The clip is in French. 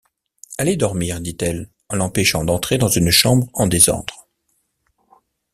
Allez dormir, dit-elle en l’empêchant d’entrer dans une chambre en désordre.